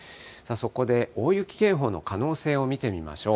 そこで大雪警報の可能性を見てみましょう。